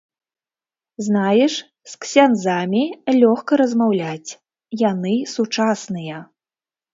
Знаеш, з ксяндзамі лёгка размаўляць, яны сучасныя.